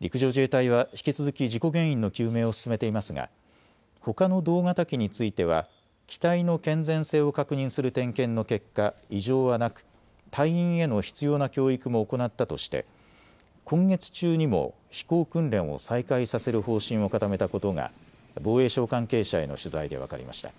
陸上自衛隊は引き続き事故原因の究明を進めていますが、ほかの同型機については機体の健全性を確認する点検の結果、異常はなく隊員への必要な教育も行ったとして今月中にも飛行訓練を再開させる方針を固めたことが防衛省関係者への取材で分かりました。